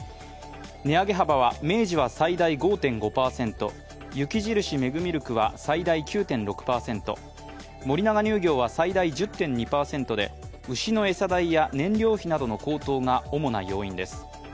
値上げ幅は明治は最大５．５％、雪印メグミルクは最大９．６％、森永乳業は最大１０．２％で、牛の餌代や燃料費の高騰などが主な要因です。